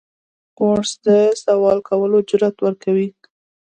کورس د سوال کولو جرأت ورکوي.